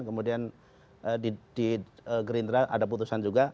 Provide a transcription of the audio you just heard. kemudian di gerindra ada putusan juga